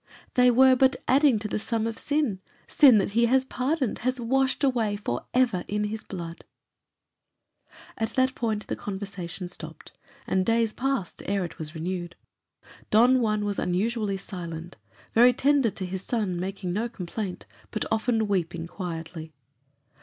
"They were but adding to the sum of sin; sin that he has pardoned, has washed away for ever in his blood." At that point the conversation dropped, and days passed ere it was renewed. Don Juan was unusually silent; very tender to his son, making no complaint, but often weeping quietly.